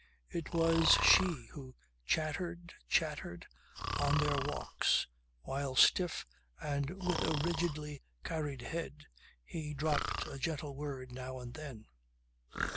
It was she who chattered, chattered, on their walks, while stiff and with a rigidly carried head, he dropped a gentle word now and then.